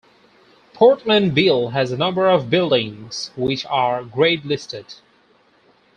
Portland Bill has a number of buildings which are Grade Listed.